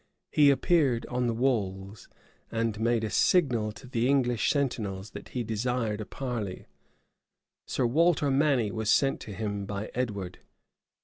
He appeared on the walls, and made a signal to the English sentinels that he desired a parley. Sir Walter Manny was sent to him by Edward.